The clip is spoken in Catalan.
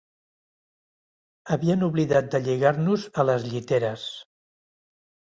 Havien oblidat de lligar-nos a les lliteres